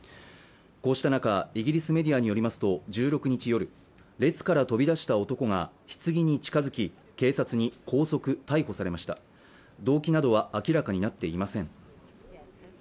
こうした中イギリスメディアによりますと１６日夜列から飛び出した男が棺に近づき警察に拘束・逮捕されました動機などは明らかになっていません